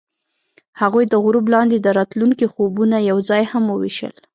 هغوی د غروب لاندې د راتلونکي خوبونه یوځای هم وویشل.